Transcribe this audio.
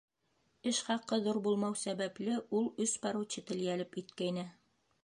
Эш хаҡы ҙур булмау сәбәпле, ул өс поручитель йәлеп иткәйне.